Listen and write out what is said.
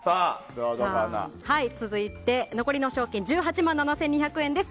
続いて残りの賞金１８万７２００円です。